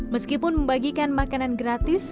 meskipun membagikan makanan gratis